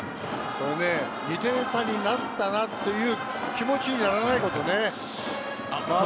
２点差になったなという気持ちにならないことね。